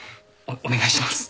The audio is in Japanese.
おお願いします。